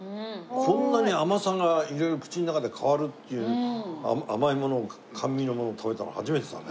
こんなに甘さが色々口の中で変わるっていう甘いものを甘味のものを食べたのは初めてだね。